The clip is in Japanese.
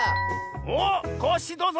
おっコッシーどうぞ！